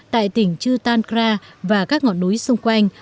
tại tỉnh chutankra và các ngọn núi xung quanh